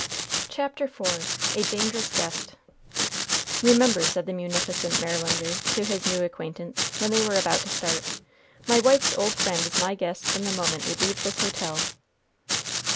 CHAPTER IV A DANGEROUS GUEST "Remember," said the munificent Marylander to his new acquaintance, when they were about to start, "my wife's old friend is my guest from the moment we leave this hotel."